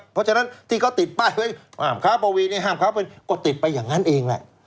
เพราะฉะนั้นที่เขาติดป้ายไว้ห้ามค้าปวีในห้ามค้าเป็นก็ติดไปอย่างนั้นเองแหละ